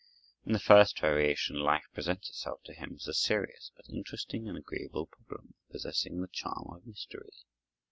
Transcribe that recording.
In the first variation life presents itself to him as a serious but interesting and agreeable problem, possessing the charm of mystery.